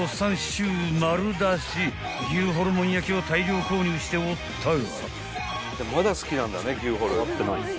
臭丸出し牛ホルモン焼を大量購入しておったが］